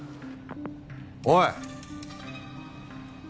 おい！